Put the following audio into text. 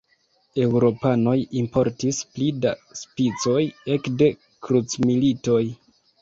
Eŭropanoj importis pli da spicoj ekde krucmilitoj.